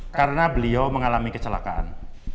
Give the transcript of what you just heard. karena beliau mengalami kecelakaan